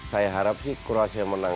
saya harap sih kroasia menang